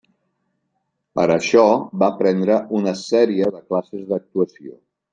Per a això, va prendre una sèrie de classes d'actuació.